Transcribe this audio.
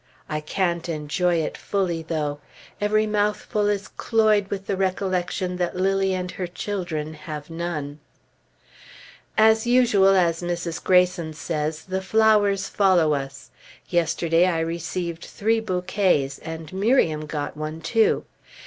I can't enjoy it fully, though; every mouthful is cloyed with the recollection that Lilly and her children have none. As usual, as Mrs. Greyson says, the flowers follow us; yesterday I received three bouquets, and Miriam got one too.